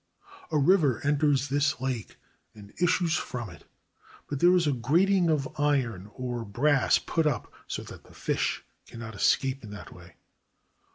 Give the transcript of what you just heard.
A river enters this lake and issues from it, but there is a grating of iron or brass put up so that the fish cannot escape in that way.